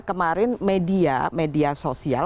kemarin media sosial